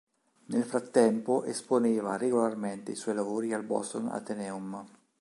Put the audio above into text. Nel frattempo esponeva regolarmente i suoi lavori al Boston Athenaeum.